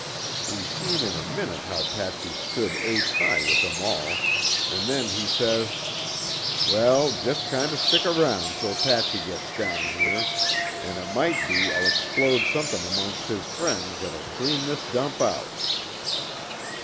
He seen in a minute how Patsy stood acehigh with them all, an' then he says; 'Well, just kind of stick around 'till Patsy gets down here an' it might be I'll explode somethin' amongst his friends that'll clean this dump out.'